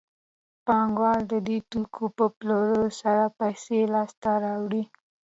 پانګوال د دې توکو په پلورلو سره پیسې لاسته راوړي